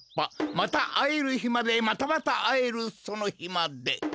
またあえるひまでまたまたあえるそのひまで。